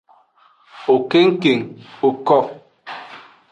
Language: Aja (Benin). Wo kengkeng woko.